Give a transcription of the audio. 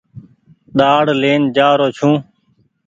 ڏآڙ لين جآرو ڇون ۔